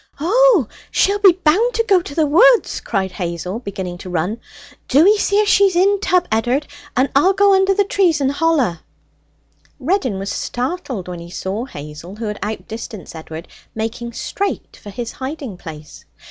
'Oh! she'll be bound to go to the woods!' cried Hazel, beginning to run. 'Do 'ee see if she's in tub, Ed'ard, and I'll go under the trees and holla.' Reddin was startled when he saw Hazel, who had out distanced Edward, making straight for his hiding place.